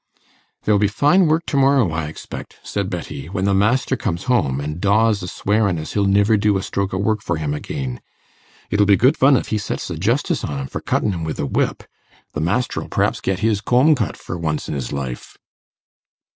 'There'll be fine work to morrow, I expect,' said Betty, 'when the master comes home, an' Dawes a swearin' as he'll niver do a stroke o' work for him again. It'll be good fun if he sets the justice on him for cuttin' him wi' the whip; the master'll p'raps get his comb cut for once in his life!